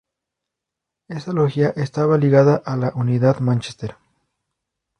Esa logia estaba ligada a la Unidad Manchester.